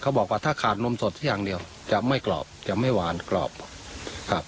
บอกว่าถ้าขาดนมสดอย่างเดียวจะไม่กรอบจะไม่หวานกรอบครับ